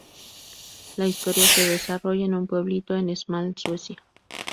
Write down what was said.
La historia se desarrolla en un pueblito en Småland, Suecia.